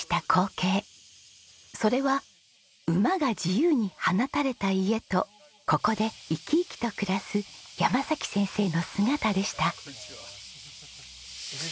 それは馬が自由に放たれた家とここで生き生きと暮らす山崎先生の姿でした。